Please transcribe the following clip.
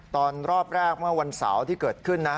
ตอนรอบแรกวันเสาร์ที่เกิดขึ้นนะ